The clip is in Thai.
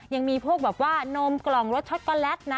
ยังมีพวกแบบว่านมกล่องรสช็อกโกแลตนะ